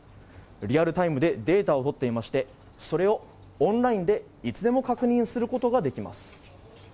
リアルタイムでデータを取っていましてそれをオンラインでいつでも確認することができます。